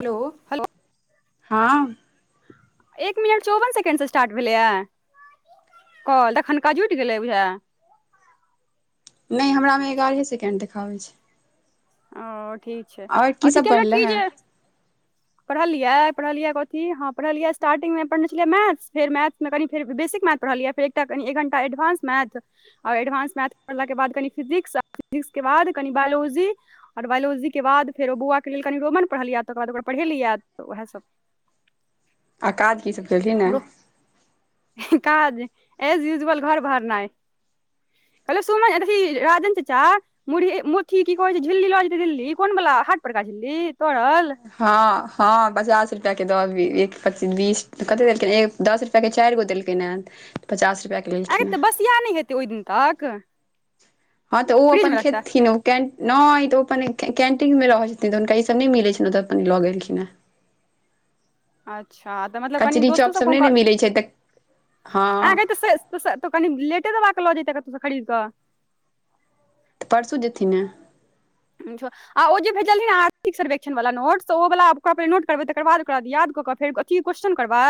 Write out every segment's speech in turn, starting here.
hello हँ एक minute चौवन सेकंड स स्टार्ट भेलैया कॉल तखनका जुटि गेलै बुझाइया नहि हमरामे एगारहे सेकेंड देखाबै छै ओ ठीक छै आओर की अथी सब कहलौं बढ़ले की हे जे पढ़लियै पढ़लियै कथी हँ पढ़लियै स्टार्टींग मे पढ़ने छलियै मैथ्स फेर मैथ मे कनि फेर बेसिक मैथ पढ़लियै फेर एकटा कनि एक घंटा एडवांस मैथ और एडवांस मैथ पढ़लाके बाद कनि फिजिक्स आ फिजिक्सके बाद कनि बायोलॉजी और बायोलॉजी के बाद फेर ओ बौआके लेल कनि रोमन पढ़लियै तऽ ओकर बाद ओकरा पढ़ेलियै तऽ उएहसभ आ काज की सब केलखिन हैं काज एज यूजवल घर बहारनाई कहलो सोमन अथि राजन चाचा मुरही मुरथी कि कहै छै झिल्ली लऽ जेतै दिल्ली कोन वला हाट परका झिल्ली तरल हँ हँ पचास रुपया के दऽ अबही एक पचीस बीस कते देलखिन एक दस रुपया के चारि गो देलकैन हेँ पचास रुपया के लेलखिन हँ तिया नहि हेतै ओहि दिन तक हँ तऽ ओ फ्रिज अपन मे रखतै खेथिन ओ कें नहि तऽ ओ अपन कैंटीन मे रहैत छथिन तऽ हुनका ई सब नहि मिलैत छनि ओतऽ अपन लऽ गेलखिन हे [inaudible] अच्छा तऽ मतलब कनि कचरी दोस्तो चॉप सब क नहि हुनकर ने मिलै छै तऽ हँ ऐंगे तऽ से त कनि लेटे दबाकऽ लऽ जेतै कत्तोस खरीद कऽ परसू जेथिन ने छौ आ ओ जे भेजलि रहे ने आर्थिक सर्वेक्षण वला नोट से ओ वला ओक नोट करबै तकर बाद ओकरा याद कऽ क फेर की क्वेश्चन करबै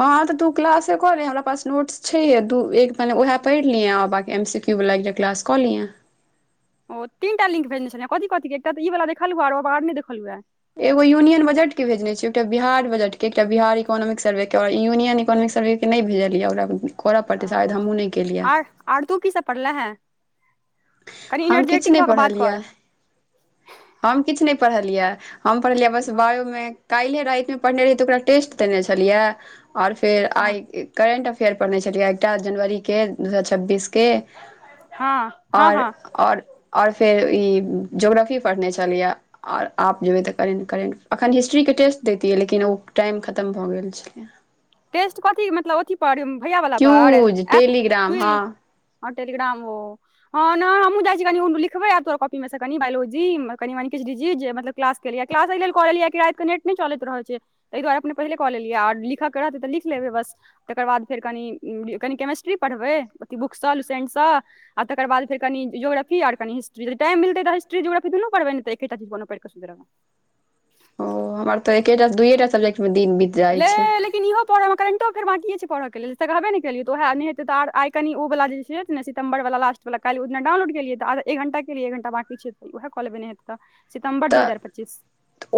हँं तऽ तू क्लासे करेै हमरा पास नोट्स छै दू एक मन उहए पढ़ लिय बाकी एम सी क्यों क्यू बला एकटा क्लास कऽ लियै ओ ती टा लिंक भेजने छल कथि कथि के एकटा ई बला देखलु है ओरो नहि देखले यऽ एगो यूनियन बजट के भेजने छिय एकटा बिहार बजट के एकटा बिहार इकोनॉमिक सर्वे के यूनियन इोनॉमिक सर्वे के नहि भेजलियै ओकरा बुक मे हॅं आर आर तू की सब पढ़ले हैं कनि हम किछ एनर्जेटिक नहि भऽ के बात पढ़लियै कर हम किछ नहि पढ़लियै हम पढ़लियै बस हँ बायोमे काल्हिे रातिमे पढ़ने रही तऽ ओकरा टेस्ट देने छलियै आओर फेर हँ आइ करेंट अफेयर पढ़ने छलियै एकटा जनवरीे दू हजार छब्बीस के हँ हँ ओर हँ ओर और फेर ई जोग्रफी पढ़ने छलिय और आब जेबै तऽ करेंट करेंट एखन हिस्ट्रीके टेस्ट दैतियै लेकिन ओ टाइम खतम भऽ गेल छलैया टेस्ट कथी मतलब अथी पर भैया वला पर क्यूज ऐप टेलीग्राम हँ क्वीज हं टेलीग्राम ओ हँ नै हमहुँ जाइ छी कनि उ लिखबे आब तोरा कॉपी मे से कनि बायोलॉजी कनि मनि किछु डीजिट जे मतलब क्लास क्लास एहि लेल कऽ लेलियै कि रातति के नेट नहि चलैत रहल ता दुआरे अपने पहिे कऽ लेलिय आर लिखक क रहते तऽ लिख लेबै बस तकर बाद फेर कनि कनि केमिस्ट्री पढ़बै अथ बुकसँ लुसेंट सँ आ तकर बाद फेर कनि जोग्रफी आर कनि हिट्री टाइमिलतै त हिस्ट्री दुूनो पढ़ब ने तऽ एकटा को नो [unintelligible] ओ हमर तऽ एकेटा दुइए टा सब्जेक्ट मे दिन बित लेली त इहो पढ़ऽ मे करेंटो अफेर्य छै पढ़ के लेल तऽ कहबे ने केलिय तऽह हे त आर आइ कनि ओ वाला जे छै सितम्बर वला लास्ट वलाकल्हिना डाउनलोड केलियै तऽ एक घंटाे केलिय एक घंटा बाकी छै उएहऽ कलेबे नहि हैते तऽ तऽ सितमबर दू हजार पच्चीस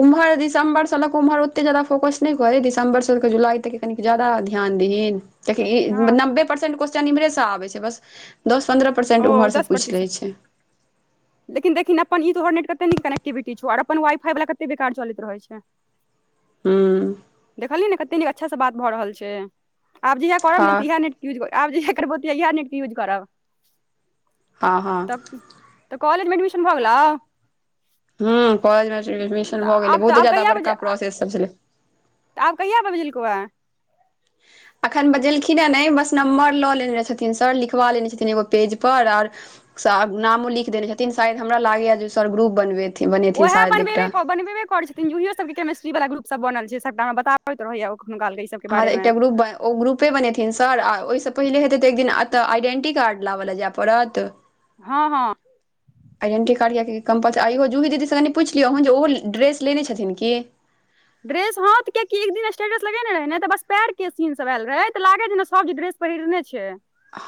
उम्ह दिसम्बरसँ लऽ ओम्हर ओतेक जादा फोकस नहि करै दिसम्बरसँऽ जुलाइ तक कनि ज्यादा ध्यान दहीन ताकि हँ ई नब्बे परसेंट क्वेेश्चन इम्हरेसँ आबै छै बस दस पन्द्रह परसेन्ट ओ ओम्हर सँ दस पूछि लै प्रतिशत छै लेकिन देखिन अपन ई तोहर नेट कते नीक कनेकटिविटी छौ आर अपन वाईफाई वाला कते बेकार चलैत रहै छै हू देखलियै ने कतेक नीक अच्छासँ बात भऽ रहल छै आब जहिया करब हँ ने तऽ इएह नेट यूज आब जे इहै करबो त इएह नेटके यूज करब हँ हँ तब तऽ कॉलेजमे एडमिशन भऽ गेलौ हूँ कॉलेज मे एडमिशन तऽ भऽ गेलै आब तऽ बहुते आब जाद्दा बड़का प्रोसेस छलै तऽ आब कहिआ बैजेलक एऻ एखन बजेलखिन हे ने बस नम्बर लऽ लेने छथिन सर लिखवा लेने छथिन एगो पेज पर आओर नामो लिख देले छथिन शायद हमरा लागेएा जे सर ग्रुप बनबे ओएह बनबेबे कर बनबेब करे छै जूहीयो सब क्रमेस्टी वला ग्रुप सब बनल सबटा हमरा बताब रहै यऽ अखनो ई सब हॅं एकटा ग्रुप ओ ग्रुपे बनेथिन सर आ ओहिसँ पहिले हेतै तऽ एक दिन एतय आइडेंटी कार्ड लाबल लेल जाय पड़त हँ हँ [unintelligible] आइडेंटी कार्ड यए कम पाच आ इ यो जूही दिदीसँ कनि पुछि लियौ हून जे ओहो ड्रेस लेने छथिन कि ड्रेस हाथ के एक दिन स्टेटस लगेने रहे ने तऽ बस पैर के सीन सब आयल रहे तऽ लागे छै ने सब ड्रेस पहिरने छै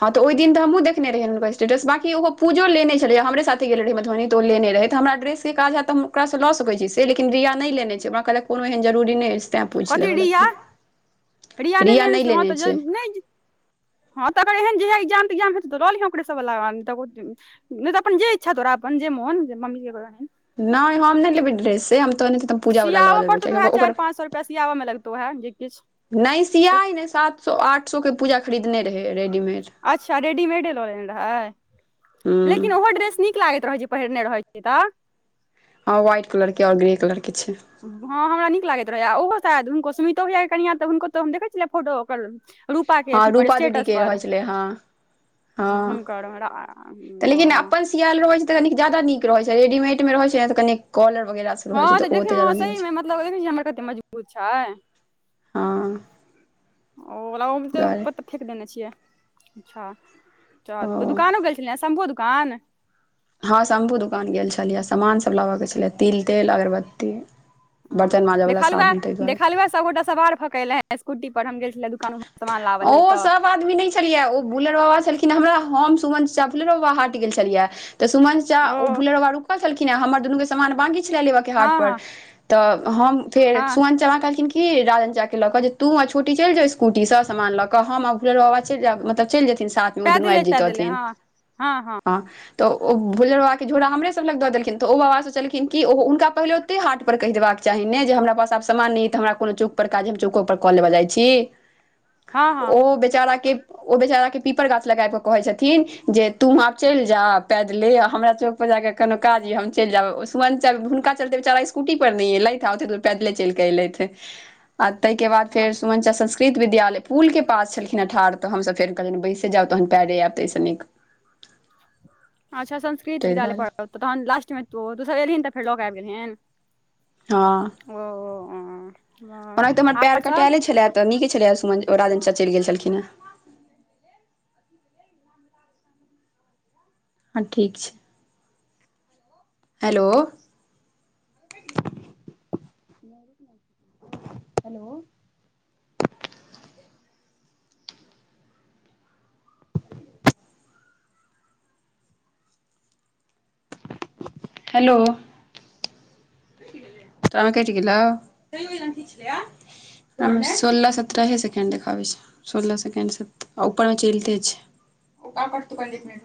हँ तऽ ओहि दिन तऽ हमहूँ देखने रहियै हुनका स्टेटस बाँकी ओ पूजो ने छलै हमरे साथे गेल रहे मधुबनी तऽ ओ लने रहैऽ हमरा प्रेस के काज हय त हम ओकरासँ लऽ सकैत छी से लेकिन रिया नहि लेने छै ओरा लए कोनो एहन जरुरी नहि अछि तैँ पूछि कथी लेबऽ रिया लगलियै रिया नहि लेने छै हँ तऽ ज नहि हँ तऽ अग एहनह एग्जाम तेग्जाम हे तऽ ल लिहे ओकर सब बला नहि तऽ अपन जे इच्छा हो रह अपन जे म होन जे मम्मी नहि हम ने लेबय ड्रेस से हम तऽ नहि तऽ हम पूजा वला लऽ सियाबऽ लेबै पड़तौ तऽ उह कियाकि ओकर चारि पाँच सए रुपया सियाबऽ लगतौ उहे जे किछ नहि सियाई नहि सात सौ आठ सौ के पूजा खरीदने रहै रेडीमेड अच्छा रेडीमेडे लऽ लेने रहै हूँ लेकिन ओहो ड्रेस नीक नीक लागैत रहैत छै पहिरने रहैत छै तऽ हँ वहाइट कलर के आओर ग्रे कलर के छै हँ हमरा नीक लागैत रहै आ ओहो शायद हुनको सुमितो भईया कनिया तऽ हुनको तऽ हम देखै छलियै फोटो ओकर रूपाके हँ अथी पर रूपा दीदी स्टेटस के पर रहै छलै हँ हुनकर कनि अपन सियाल रहै छै तऽ कनी जादा नीक रहै छै रेडीमेड मे रहै छै ने तऽ कनि कलर वगैरह सभ हँ तऽ देखियौ सहीमे मतलब देखे छी हमर कतेक मजबूत छै हँ ओ ओला ओमे तऽ दुआरे प्त फेेक देने छियै अच्छा चल ओ तऽ दुकानो गेल छलिय शंभुओ दुकान हँ शम्भु दोकान गेल छलियै सामानसभ लेयके छलै तिल तेल अगरबत्ती ह बर्तन माजऽ वला देखलु साबुन ताहि दुआरे देखलु सबगोटा सवार भकेले स्कूटी पर हम गेल छले दुकान सामान लाबऽ ओ लेल तऽ सब आदमी नहि छलियै ओ बुलर बाबा छलखिन हमरा हम सुमन चच्चा बाबा हाट गेल छलियै तऽ सुमन चाचा ओ भुलर बाबा रुकल छलखिन हे हमर दुनू के सामान बाकी छले लेब के हँ हाट पर हँ तऽ हम फेर हँ सुमन चचा कहलखिन कि राजन चाचाक लऽ कऽ जे तू आ छोटी चलि जाउ स्कूटीसँ समान लक हम आ भुलर बाबा चल लथ ओ दुनू पैदले आबि पैदले जेतथिन हँ हँ हँ ह तऽ ओ भुलर बाबा के झोड़ा हमरे सब लग दऽ देलखिन तऽ ओ बाबा सोचलखिन की ओ हुनका पहिले कते हाट पर कहि देबाक चाही ने जे हमरा पास आब सामान नहि त हमरा कोनो चौक पर काज हम चौको पर कऽ लेबऽ जाई छी हँ ओ बेचारा के ओ बेचाराे पीपर गाछ लग आबि कऽ कहैत छथिन जे तू आब चलि जा पैदले आ हमरा सभ क कोनो काज य हम चलि जाब सुमन चा हुनका चलते बेचारा स्कूटी पर नहि एलै पैदले चलकि एलैथ आ तै के बाद हँ फेर सुमनचा संस्कृत विद्यालय के पुल के पास छलखिन ठार तऽ हमसभ फेर कहलनि बैसे जाउ तहन पैरे आयब ताहिसँ नीक [inaudible] अच्छा संस्कृत ताहि विद्यालय दुआरे पढ़त तहन लास्टमे तु सब एलहिन तऽ फेर लऽ क आबि गेलहिन हं ओ आँ ओनाहि ते हमर पर कटाएले छले तऽ नीके छलै सुमन ओ राजन चलि गेल छलखिन हँ हँ ठीक छै हेलो [unintelligible] हेलो हेलो कटि गेलयो हम सोलह सत्रहे सेकेंड देखाबै छै सोलह सेकेंडस ऊपर चलते छै